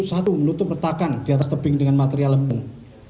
satu menutup retakan di atas tebing dengan material lembung